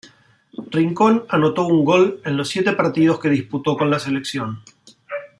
Rincón anotó un gol en los siete partidos que disputó con la selección.